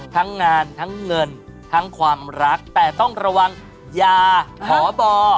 ทั้งงานทั้งเงินทั้งความรักแต่ต้องระวังยาหอบอ